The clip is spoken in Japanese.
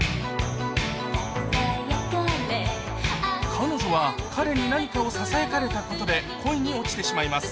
彼女は彼に何かをささやかれたことで恋に落ちてしまいます